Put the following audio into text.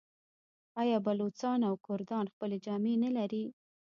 آیا بلوڅان او کردان خپلې جامې نلري؟